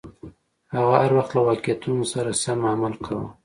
هغه هر وخت له واقعیتونو سره سم عمل کاوه.